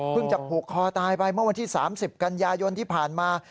จะผูกคอตายไปเมื่อวันที่๓๐กันยายนที่ผ่านมา